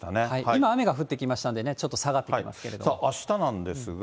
今、雨が降ってきましたんでね、ちょっと下がってきてますけさあ、あしたなんですが。